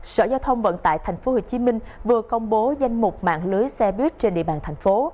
sở giao thông vận tải tp hcm vừa công bố danh mục mạng lưới xe buýt trên địa bàn thành phố